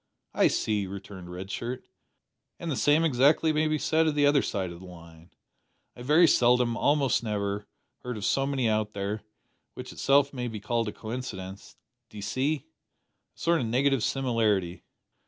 "I see," returned Red Shirt; "and the same, exactly, may be said of the other side o' the line. I very seldom almost never heard of so many out there; which itself may be called a coincidence, d'ee see? a sort of negative similarity."